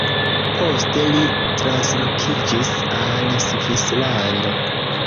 Poste li translokiĝis al Svislando.